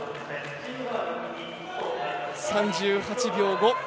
３８秒５。